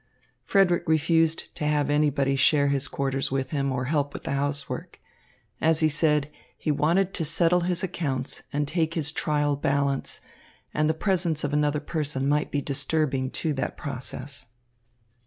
Frederick refused to have anybody share his quarters with him or help with the housework. As he said, he wanted to settle his accounts and take his trial balance, and the presence of another person might be disturbing to that process.